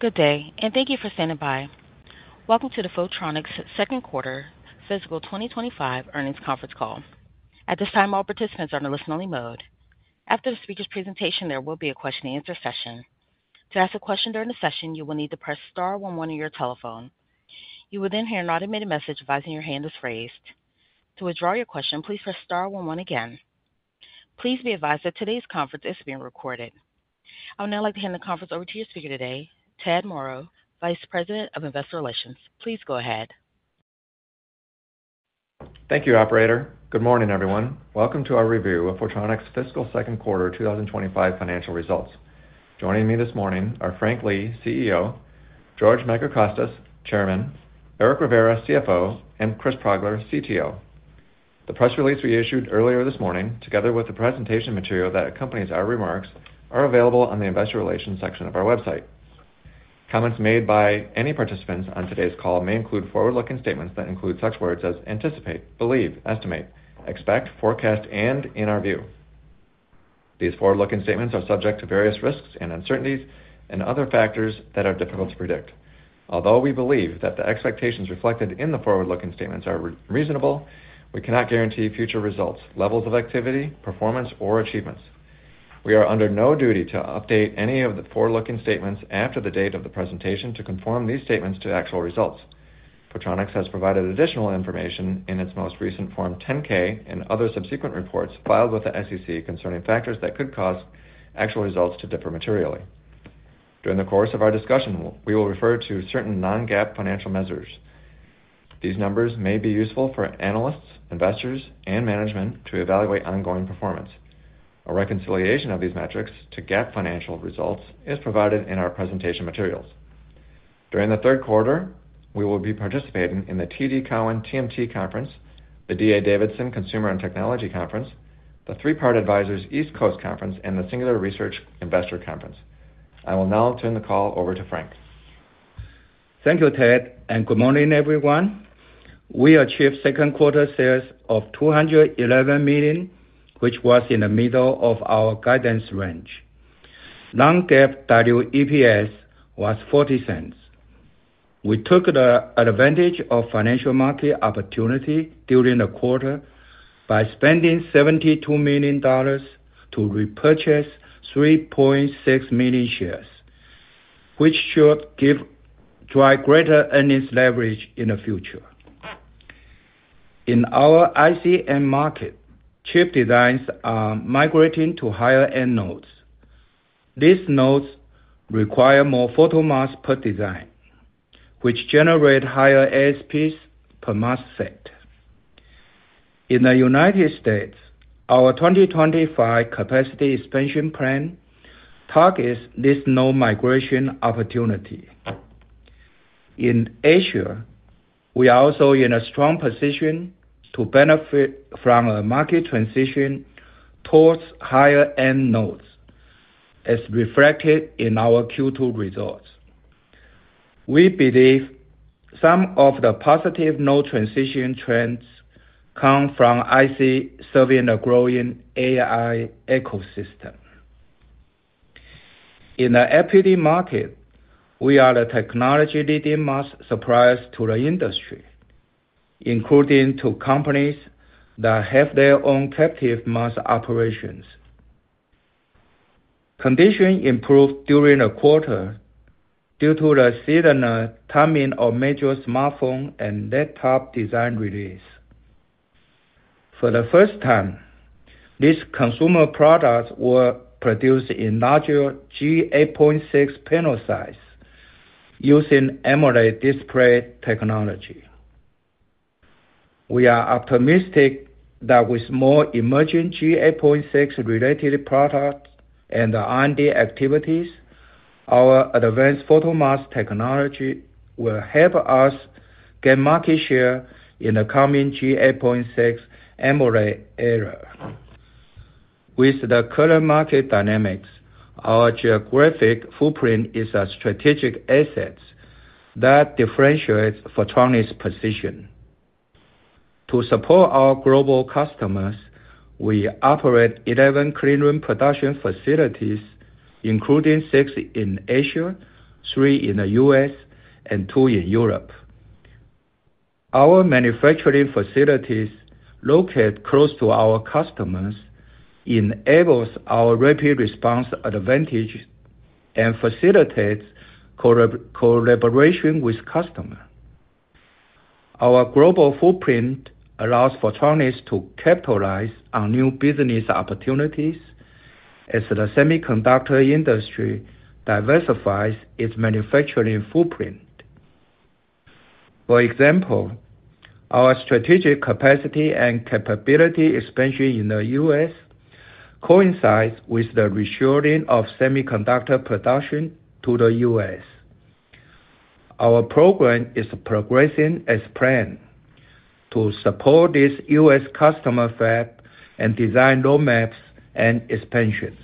Good day, and thank you for standing by. Welcome to the Photronics' second quarter fiscal 2025 earnings conference call. At this time, all participants are in a listen-only mode. After the speaker's presentation, there will be a question-and-answer session. To ask a question during the session, you will need to press star one one on your telephone. You will then hear an automated message advising your hand is raised. To withdraw your question, please press star one one again. Please be advised that today's conference is being recorded. I would now like to hand the conference over to your speaker today, Ted Moreau, Vice President of Investor Relations. Please go ahead. Thank you, Operator. Good morning, everyone. Welcome to our review of Photronics' fiscal second quarter 2025 financial results. Joining me this morning are Frank Lee, CEO; George Macricostas, Chairman; Eric Rivera, CFO; and Chris Progler, CTO. The press release we issued earlier this morning, together with the presentation material that accompanies our remarks, is available on the investor relations section of our website. Comments made by any participants on today's call may include forward-looking statements that include such words as anticipate, believe, estimate, expect, forecast, and in our view. These forward-looking statements are subject to various risks and uncertainties and other factors that are difficult to predict. Although we believe that the expectations reflected in the forward-looking statements are reasonable, we cannot guarantee future results, levels of activity, performance, or achievements. We are under no duty to update any of the forward-looking statements after the date of the presentation to conform these statements to actual results. Photronics has provided additional information in its most recent Form 10-K and other subsequent reports filed with the SEC concerning factors that could cause actual results to differ materially. During the course of our discussion, we will refer to certain non-GAAP financial measures. These numbers may be useful for analysts, investors, and management to evaluate ongoing performance. A reconciliation of these metrics to GAAP financial results is provided in our presentation materials. During the third quarter, we will be participating in the TD Cowen TMT Conference, the D.A. Davidson Consumer & Technology Conference, the Three-Part Advisors East Coast Conference, and the Singular Research Investor Conference. I will now turn the call over to Frank. Thank you, Ted, and good morning, everyone. We achieved second-quarter sales of $211 million, which was in the middle of our guidance range. Non-GAAP EPS was $0.40. We took advantage of financial market opportunity during the quarter by spending $72 million to repurchase 3.6 million shares, which should drive greater earnings leverage in the future. In our ICM market, chip designs are migrating to higher-end nodes. These nodes require more photomasks per design, which generates higher ASPs per mask set. In the United States, our 2025 capacity expansion plan targets this node migration opportunity. In Asia, we are also in a strong position to benefit from a market transition towards higher-end nodes, as reflected in our Q2 results. We believe some of the positive node transition trends come from IC serving a growing AI ecosystem. In the equity market, we are the technology-leading mass suppliers to the industry, including to companies that have their own captive mass operations. Conditions improved during the quarter due to the seasonal timing of major smartphone and laptop design release. For the first time, these consumer products were produced in larger G8.6 panel sizes using AMOLED display technology. We are optimistic that with more emerging G8.6-related products and R&D activities, our advanced photomask technology will help us gain market share in the coming G8.6 AMOLED era. With the current market dynamics, our geographic footprint is a strategic asset that differentiates Photronics' position. To support our global customers, we operate 11 cleanroom production facilities, including 6 in Asia, 3 in the U.S., and 2 in Europe. Our manufacturing facilities located close to our customers enable our rapid response advantage and facilitate collaboration with customers. Our global footprint allows Photronics to capitalize on new business opportunities as the semiconductor industry diversifies its manufacturing footprint. For example, our strategic capacity and capability expansion in the U.S. coincides with the reshoring of semiconductor production to the U.S. Our program is progressing as planned to support these U.S. customer fab and design roadmaps and expansions.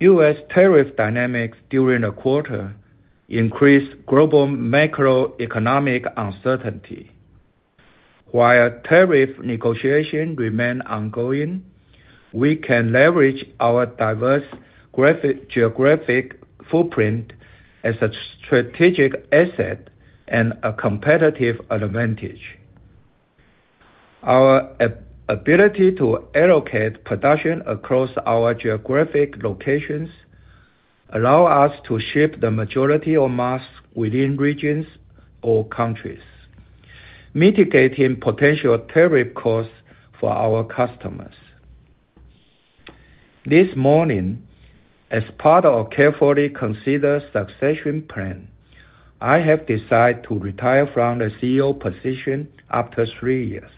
U.S. tariff dynamics during the quarter increased global macroeconomic uncertainty. While tariff negotiations remain ongoing, we can leverage our diverse geographic footprint as a strategic asset and a competitive advantage. Our ability to allocate production across our geographic locations allows us to ship the majority of mass within regions or countries, mitigating potential tariff costs for our customers. This morning, as part of a carefully considered succession plan, I have decided to retire from the CEO position after three years.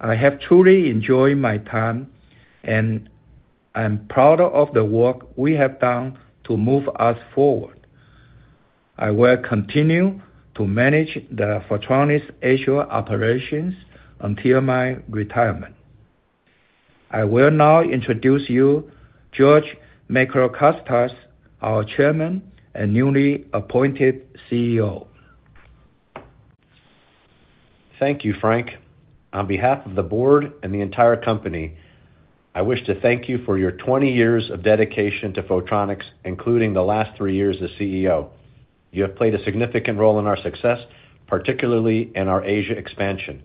I have truly enjoyed my time, and I'm proud of the work we have done to move us forward. I will continue to manage the Photronics Asia operations until my retirement. I will now introduce you to George Macricostas, our Chairman and newly appointed CEO. Thank you, Frank. On behalf of the board and the entire company, I wish to thank you for your 20 years of dedication to Photronics, including the last three years as CEO. You have played a significant role in our success, particularly in our Asia expansion,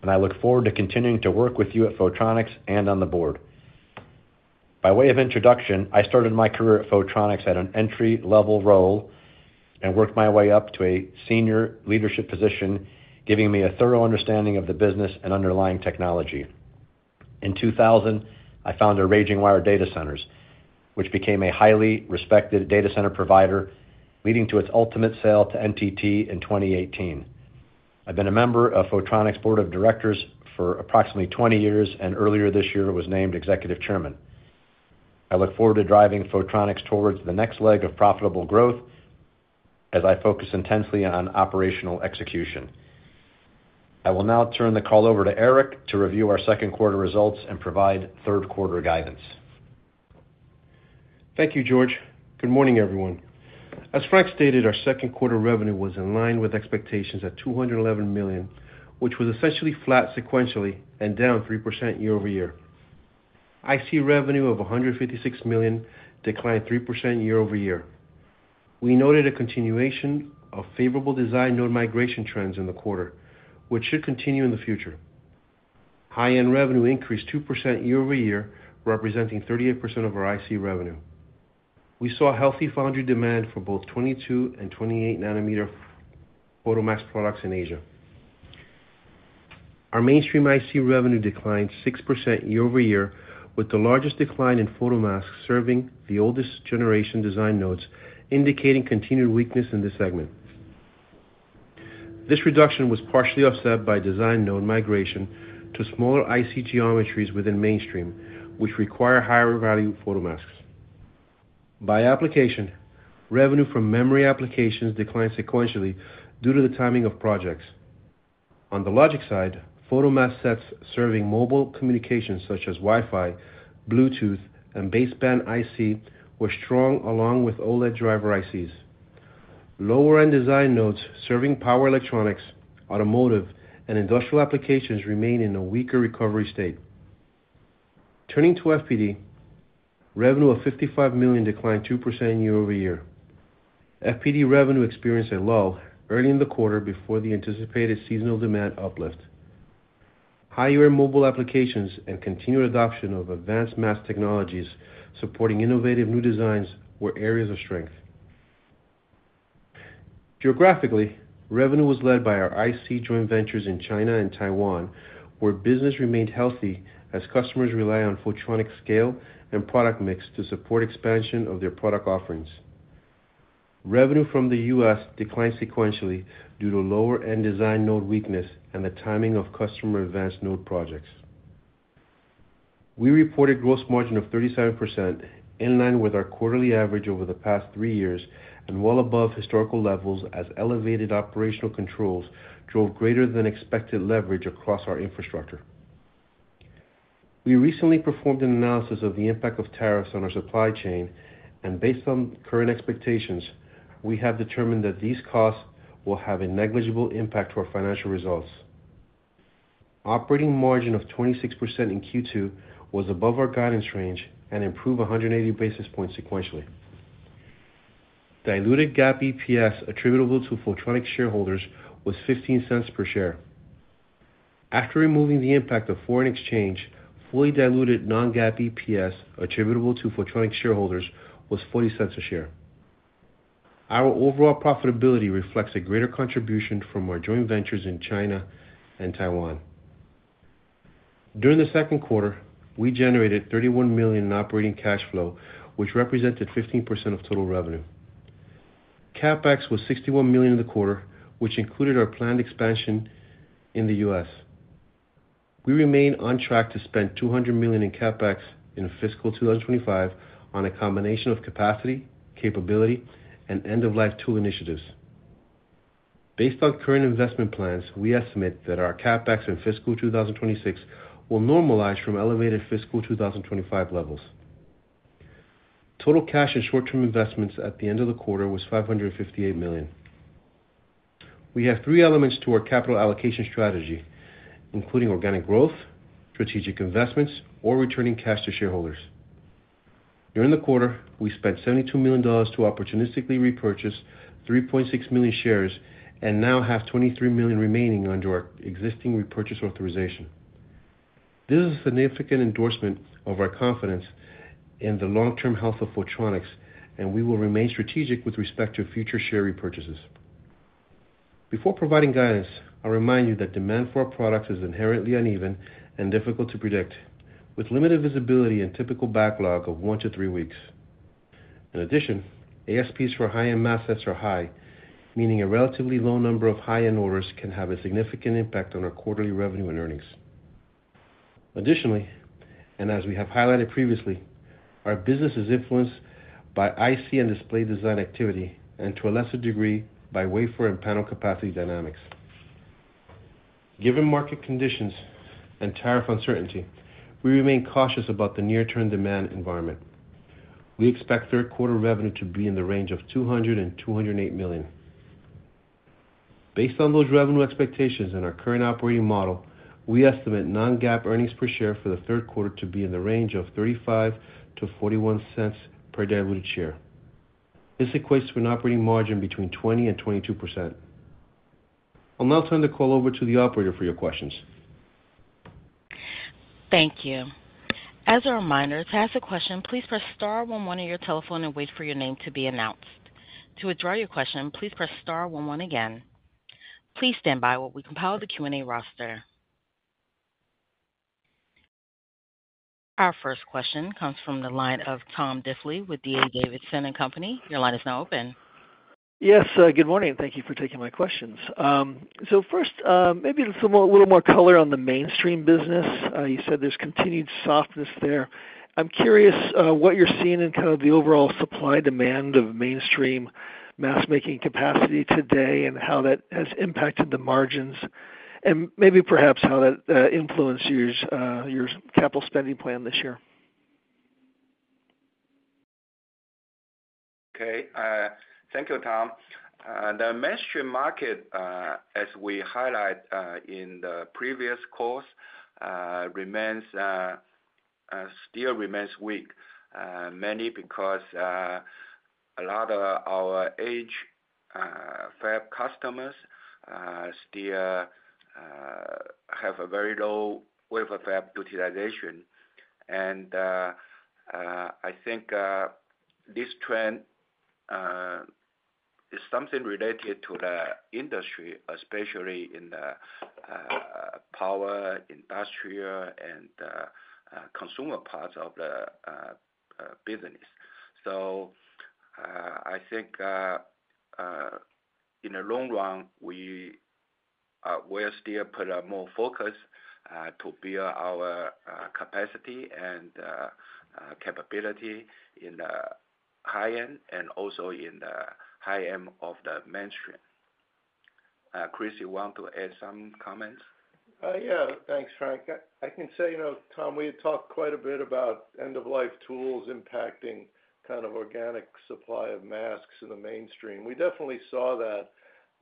and I look forward to continuing to work with you at Photronics and on the board. By way of introduction, I started my career at Photronics at an entry-level role and worked my way up to a senior leadership position, giving me a thorough understanding of the business and underlying technology. In 2000, I founded RagingWire Data Centers, which became a highly respected data center provider, leading to its ultimate sale to NTT in 2018. I've been a member of Photronics' board of directors for approximately 20 years, and earlier this year, I was named executive chairman. I look forward to driving Photronics towards the next leg of profitable growth as I focus intensely on operational execution. I will now turn the call over to Eric to review our second quarter results and provide third quarter guidance. Thank you, George. Good morning, everyone. As Frank stated, our second quarter revenue was in line with expectations at $211 million, which was essentially flat sequentially and down 3% year-over-year. IC revenue of $156 million declined 3% year-over-year. We noted a continuation of favorable design node migration trends in the quarter, which should continue in the future. High-end revenue increased 2% year-over-year, representing 38% of our IC revenue. We saw healthy foundry demand for both 22 nm and 28 nm photomask products in Asia. Our mainstream IC revenue declined 6% year-over-year, with the largest decline in photomasks serving the oldest generation design nodes, indicating continued weakness in this segment. This reduction was partially offset by design node migration to smaller IC geometries within mainstream, which require higher-value photomasks. By application, revenue from memory applications declined sequentially due to the timing of projects. On the logic side, photomask sets serving mobile communications such as Wi-Fi, Bluetooth, and baseband IC were strong along with OLED driver ICs. Lower-end design nodes serving power electronics, automotive, and industrial applications remain in a weaker recovery state. Turning to FPD, revenue of $55 million declined 2% year-over-year. FPD revenue experienced a lull early in the quarter before the anticipated seasonal demand uplift. High-end mobile applications and continued adoption of advanced mask technologies supporting innovative new designs were areas of strength. Geographically, revenue was led by our IC joint ventures in China and Taiwan, where business remained healthy as customers relied on Photronics' scale and product mix to support expansion of their product offerings. Revenue from the U.S. declined sequentially due to lower-end design node weakness and the timing of customer advanced node projects. We reported gross margin of 37%, in line with our quarterly average over the past three years, and well above historical levels as elevated operational controls drove greater-than-expected leverage across our infrastructure. We recently performed an analysis of the impact of tariffs on our supply chain, and based on current expectations, we have determined that these costs will have a negligible impact on our financial results. Operating margin of 26% in Q2 was above our guidance range and improved 180 basis points sequentially. Diluted GAAP EPS attributable to Photronics shareholders was $0.15 per share. After removing the impact of foreign exchange, fully diluted non-GAAP EPS attributable to Photronics shareholders was $0.40 a share. Our overall profitability reflects a greater contribution from our joint ventures in China and Taiwan. During the second quarter, we generated $31 million in operating cash flow, which represented 15% of total revenue. CapEx was $61 million in the quarter, which included our planned expansion in the U.S. We remain on track to spend $200 million in CapEx in fiscal 2025 on a combination of capacity, capability, and end-of-life tool initiatives. Based on current investment plans, we estimate that our CapEx in fiscal 2026 will normalize from elevated fiscal 2025 levels. Total cash and short-term investments at the end of the quarter was $558 million. We have three elements to our capital allocation strategy, including organic growth, strategic investments, or returning cash to shareholders. During the quarter, we spent $72 million to opportunistically repurchase 3.6 million shares and now have $23 million remaining under our existing repurchase authorization. This is a significant endorsement of our confidence in the long-term health of Photronics, and we will remain strategic with respect to future share repurchases. Before providing guidance, I remind you that demand for our products is inherently uneven and difficult to predict, with limited visibility and typical backlog of one to three weeks. In addition, ASPs for high-end mass sets are high, meaning a relatively low number of high-end orders can have a significant impact on our quarterly revenue and earnings. Additionally, and as we have highlighted previously, our business is influenced by IC and display design activity and, to a lesser degree, by wafer and panel capacity dynamics. Given market conditions and tariff uncertainty, we remain cautious about the near-term demand environment. We expect third quarter revenue to be in the range of $200 million-$208 million. Based on those revenue expectations and our current operating model, we estimate non-GAAP earnings per share for the third quarter to be in the range of $0.35-$0.41 per diluted share. This equates to an operating margin between 20% and 22%. I'll now turn the call over to the operator for your questions. Thank you. As a reminder, to ask a question, please press star one one on your telephone and wait for your name to be announced. To withdraw your question, please press star one one again. Please stand by while we compile the Q&A roster. Our first question comes from the line of Tom Diffely with D.A. Davidson & Company. Your line is now open. Yes, good morning. Thank you for taking my questions. First, maybe a little more color on the mainstream business. You said there's continued softness there. I'm curious what you're seeing in kind of the overall supply demand of mainstream mask-making capacity today and how that has impacted the margins and maybe perhaps how that influences your capital spending plan this year. Okay. Thank you, Tom. The mainstream market, as we highlight in the previous course, still remains weak, mainly because a lot of our age-fab customers still have a very low wafer fab utilization. I think this trend is something related to the industry, especially in the power, industrial, and consumer parts of the business. I think in the long run, we will still put more focus on building our capacity and capability in the high-end and also in the high-end of the mainstream. Chris, you want to add some comments? Yeah, thanks, Frank. I can say, Tom, we had talked quite a bit about end-of-life tools impacting kind of organic supply of masks in the mainstream. We definitely saw that,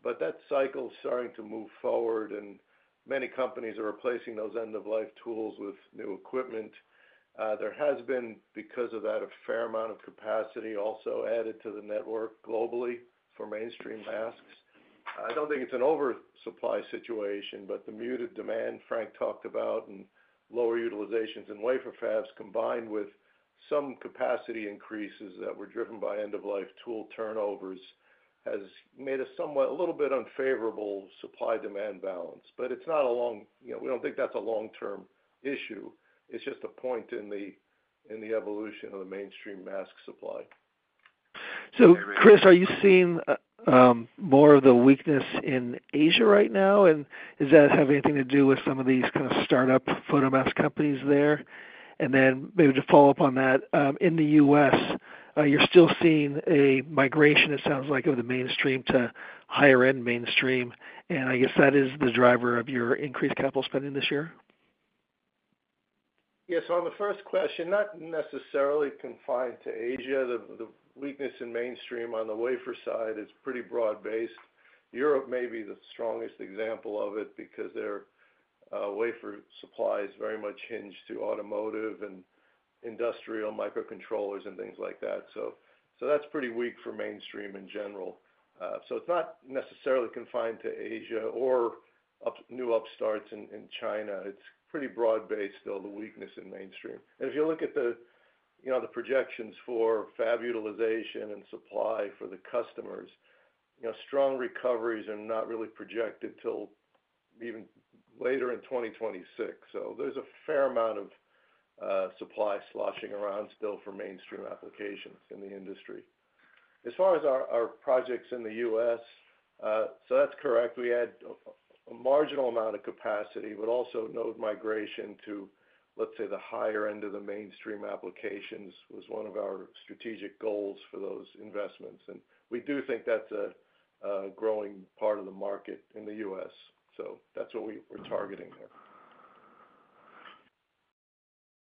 but that cycle is starting to move forward, and many companies are replacing those end-of-life tools with new equipment. There has been, because of that, a fair amount of capacity also added to the network globally for mainstream masks. I do not think it is an oversupply situation, but the muted demand Frank talked about and lower utilizations in wafer fabs combined with some capacity increases that were driven by end-of-life tool turnovers has made a somewhat a little bit unfavorable supply-demand balance. It is not a long—we do not think that is a long-term issue. It is just a point in the evolution of the mainstream mask supply. Chris, are you seeing more of the weakness in Asia right now? Does that have anything to do with some of these kind of startup photomask companies there? Maybe to follow up on that, in the U.S., you're still seeing a migration, it sounds like, of the mainstream to higher-end mainstream. I guess that is the driver of your increased capital spending this year? Yeah, on the first question, not necessarily confined to Asia. The weakness in mainstream on the wafer side is pretty broad-based. Europe may be the strongest example of it because their wafer supply is very much hinged to automotive and industrial microcontrollers and things like that. That is pretty weak for mainstream in general. It is not necessarily confined to Asia or new upstarts in China. It is pretty broad-based still, the weakness in mainstream. If you look at the projections for fab utilization and supply for the customers, strong recoveries are not really projected till even later in 2026. There is a fair amount of supply sloshing around still for mainstream applications in the industry. As far as our projects in the U.S., that is correct. We had a marginal amount of capacity, but also node migration to, let's say, the higher end of the mainstream applications was one of our strategic goals for those investments. We do think that's a growing part of the market in the U.S. That is what we're targeting there.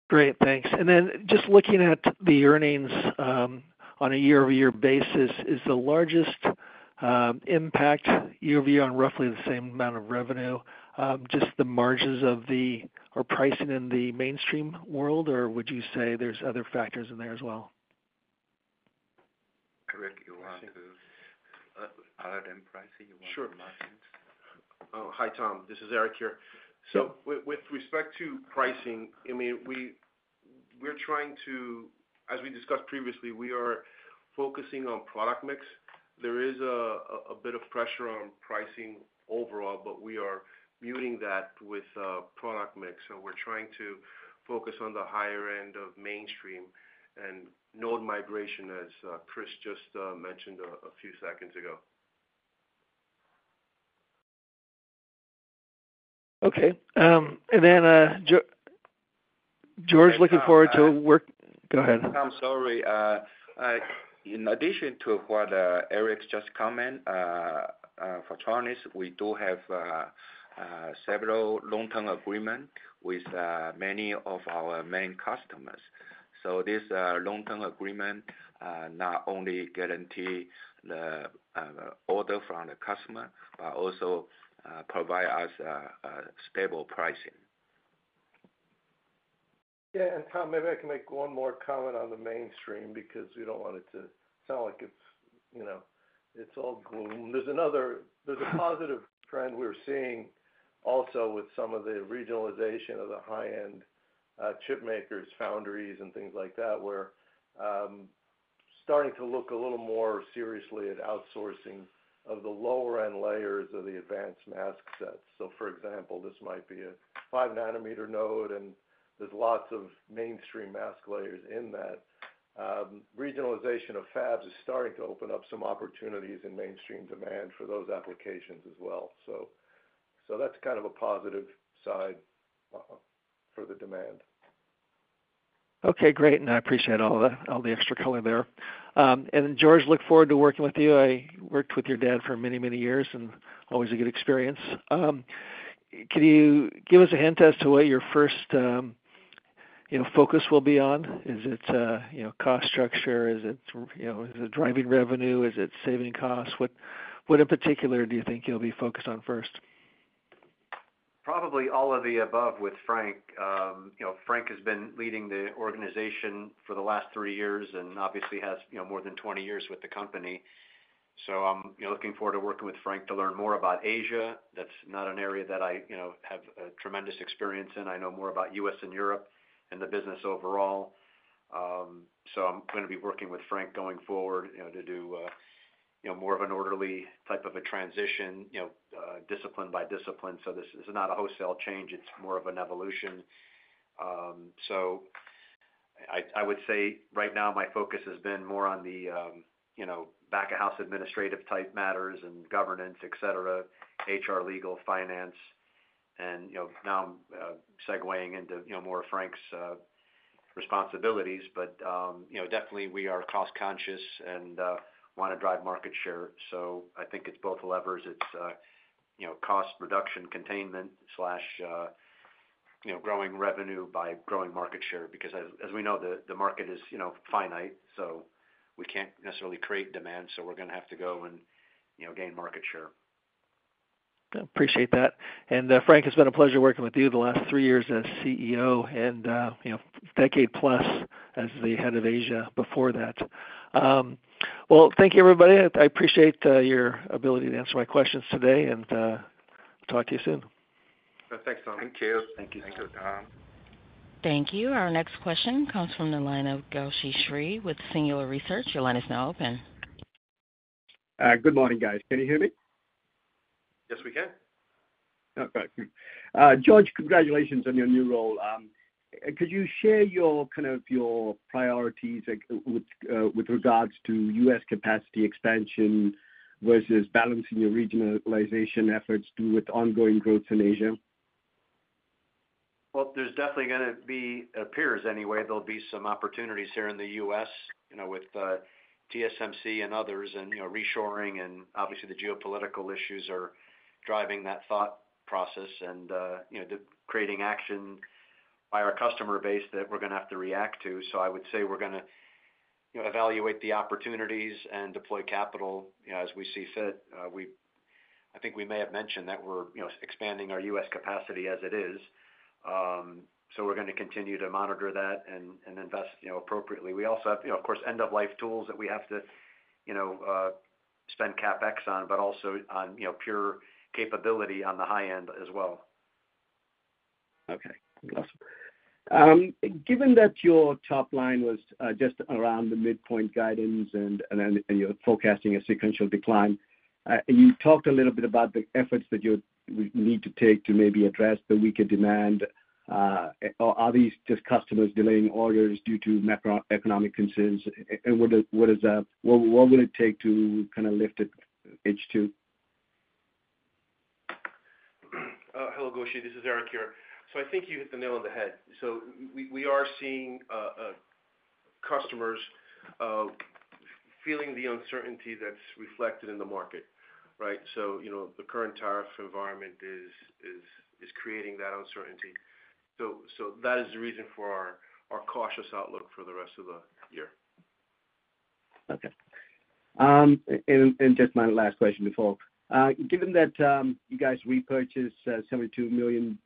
Great. Thanks. Then just looking at the earnings on a year-over-year basis, is the largest impact year-over-year on roughly the same amount of revenue just the margins or the pricing in the mainstream world, or would you say there are other factors in there as well? Eric, you want to—oh, other than pricing, you want to margins? Oh, hi, Tom. This is Eric here. With respect to pricing, I mean, we're trying to—as we discussed previously, we are focusing on product mix. There is a bit of pressure on pricing overall, but we are muting that with product mix. We are trying to focus on the higher end of mainstream and node migration, as Chris just mentioned a few seconds ago. Okay. And then George, looking forward to—go ahead. I'm sorry. In addition to what Eric just commented, for Photronics, we do have several long-term agreements with many of our main customers. So this long-term agreement not only guarantees the order from the customer, but also provides us stable pricing. Yeah. Tom, maybe I can make one more comment on the mainstream because we do not want it to sound like it is all gloom. There is a positive trend we are seeing also with some of the regionalization of the high-end chipmakers, foundries, and things like that, where we are starting to look a little more seriously at outsourcing of the lower-end layers of the advanced mask sets. For example, this might be a 5 nm node, and there are lots of mainstream mask layers in that. Regionalization of fabs is starting to open up some opportunities in mainstream demand for those applications as well. That is kind of a positive side for the demand. Okay. Great. I appreciate all the extra color there. George, look forward to working with you. I worked with your dad for many, many years, and always a good experience. Could you give us a hint as to what your first focus will be on? Is it cost structure? Is it driving revenue? Is it saving costs? What, in particular, do you think you'll be focused on first? Probably all of the above with Frank. Frank has been leading the organization for the last three years and obviously has more than 20 years with the company. I am looking forward to working with Frank to learn more about Asia. That is not an area that I have tremendous experience in. I know more about U.S. and Europe and the business overall. I am going to be working with Frank going forward to do more of an orderly type of a transition, discipline by discipline. This is not a wholesale change. It is more of an evolution. I would say right now my focus has been more on the back-of-house administrative-type matters and governance, et cetere., HR, legal, finance. Now I am segueing into more of Frank's responsibilities. Definitely, we are cost-conscious and want to drive market share. I think it is both levers. It's cost reduction, containment/growing revenue by growing market share because, as we know, the market is finite. So we can't necessarily create demand. So we're going to have to go and gain market share. Appreciate that. Frank, it's been a pleasure working with you the last three years as CEO and a decade-plus as the head of Asia before that. Thank you, everybody. I appreciate your ability to answer my questions today, and I'll talk to you soon. Thanks, Tom. Thank you. Thank you, Tom. Thank you. Our next question comes from the line of Gowshi Sri with Singular Research. Your line is now open. Good morning, guys. Can you hear me? Yes, we can. Okay. George, congratulations on your new role. Could you share kind of your priorities with regards to U.S. capacity expansion versus balancing your regionalization efforts with ongoing growth in Asia? There is definitely going to be—it appears anyway—there will be some opportunities here in the U.S. with TSMC and others and reshoring. Obviously, the geopolitical issues are driving that thought process and creating action by our customer base that we are going to have to react to. I would say we are going to evaluate the opportunities and deploy capital as we see fit. I think we may have mentioned that we are expanding our U.S. capacity as it is. We are going to continue to monitor that and invest appropriately. We also have, of course, end-of-life tools that we have to spend CapEx on, but also on pure capability on the high-end as well. Okay. Awesome. Given that your top line was just around the midpoint guidance and you're forecasting a sequential decline, you talked a little bit about the efforts that you would need to take to maybe address the weaker demand. Are these just customers delaying orders due to macroeconomic concerns? What will it take to kind of lift it? H2. Hello, Gowshi. This is Eric here. I think you hit the nail on the head. We are seeing customers feeling the uncertainty that's reflected in the market, right? The current tariff environment is creating that uncertainty. That is the reason for our cautious outlook for the rest of the year. Okay. And just my last question before. Given that you guys repurchased $72 million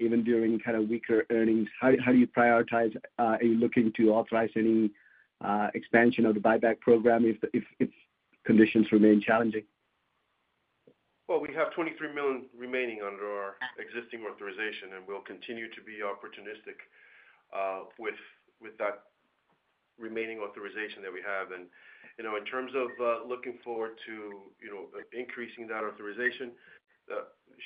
even during kind of weaker earnings, how do you prioritize? Are you looking to authorize any expansion of the buyback program if conditions remain challenging? We have $23 million remaining under our existing authorization, and we'll continue to be opportunistic with that remaining authorization that we have. In terms of looking forward to increasing that authorization,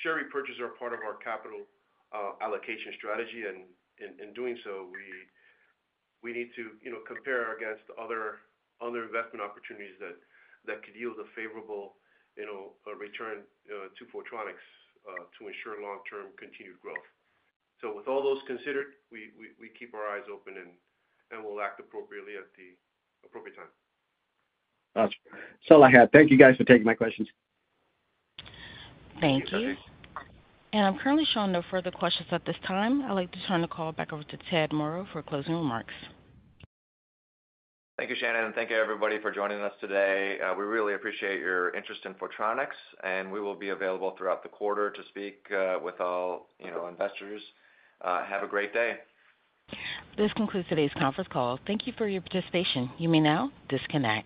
share repurchase is part of our capital allocation strategy. In doing so, we need to compare against other investment opportunities that could yield a favorable return to Photronics to ensure long-term continued growth. With all those considered, we keep our eyes open and will act appropriately at the appropriate time. That's all I had. Thank you, guys, for taking my questions. Thank you. Thank you, Gowshi. I'm currently showing no further questions at this time. I'd like to turn the call back over to Ted Moreau for closing remarks. Thank you, Shannon. Thank you, everybody, for joining us today. We really appreciate your interest in Photronics, and we will be available throughout the quarter to speak with all investors. Have a great day. This concludes today's conference call. Thank you for your participation. You may now disconnect.